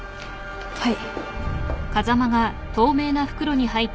はい。